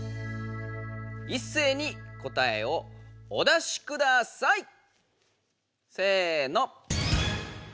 いっせいに答えをお出しください！せの！